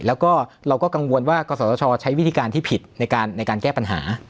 แล้วก็เราก็กังวลว่ากศชใช้วิธีการที่ผิดในการแก้ปัญหา